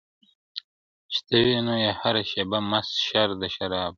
چي ته وې نو یې هره شېبه مست شر د شراب وه,